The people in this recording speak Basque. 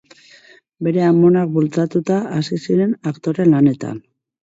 Beren amonak bultzatuta hasi ziren aktore lanetan.